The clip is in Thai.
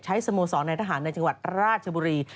สโมสรในทหารในจังหวัดราชบุรี